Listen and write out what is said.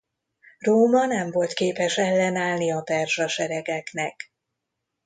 Róma nem volt képes ellenállni a perzsa seregeknek.